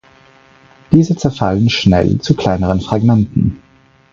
Diese zerfallen schnell zu kleineren Fragmenten.